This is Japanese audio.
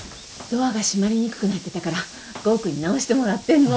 ドアが閉まりにくくなってたから剛くんに直してもらってるの。